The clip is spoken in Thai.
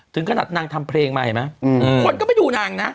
ถึงขนาดนางทำเพลงมาเห็นไหมคนก็ไปดูนางนะ